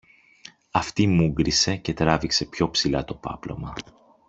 Αυτή μούγκρισε και τράβηξε πιο ψηλά το πάπλωμα